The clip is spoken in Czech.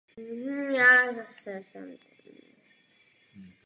V rámci politik Evropské unie má zvláštní postavení.